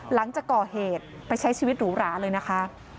หลังจากก่อเหตุไปใช้ชีวิตหรูหราเลยนะคะ